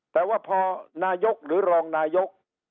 แต่ว่าพอนายกหรือรองนายก